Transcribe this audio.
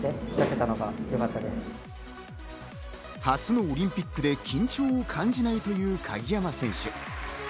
初のオリンピックで緊張を感じないという鍵山選手。